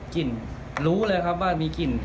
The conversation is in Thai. กินรู้เลยครับว่ามีกลิ่น